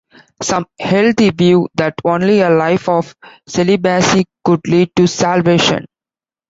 Some held the view that only a life of celibacy could lead to salvation.